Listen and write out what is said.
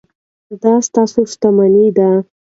دا ستاسو شتمني ده.